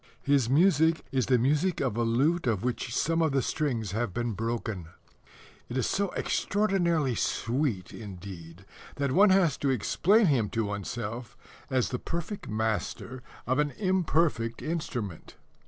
His music is the music of a lute of which some of the strings have been broken. It is so extraordinarily sweet, indeed, that one has to explain him to oneself as the perfect master of an imperfect instrument.